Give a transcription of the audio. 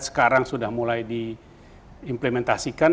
sekarang sudah mulai diimplementasikan